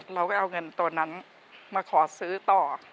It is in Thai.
เราก็เอาเงินตัวนั้นมาขอซื้อต่อ